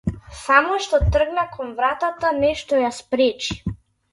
Само што тргна кон вратата нешто ја спречи.